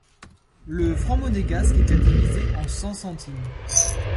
Le franc monégasque était divisé en cent centimes.